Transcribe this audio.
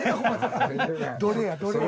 どれやどれや？